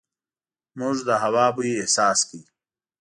موږ د هوا بوی احساس کړو.